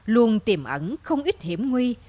luôn tiềm ẩn không ít hiểm nguy